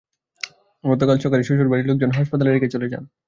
গতকাল সকালে শ্বশুরবাড়ির লোকজন তাঁকে কোনাবাড়ী শরীফ জেনারেল হাসপাতালে রেখে চলে যান।